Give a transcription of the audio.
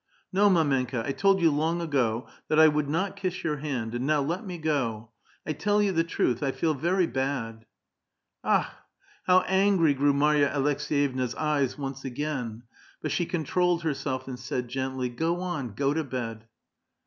"No, mdmenka! I told you long ago, that I would not kiss your hand. And now let me go. I tell you the truth ; I feel very bad." Akhl how angry grew Marya Aleks^yevna's eyes once again I But she controlled herself, and said gently, " Go on, go to bed."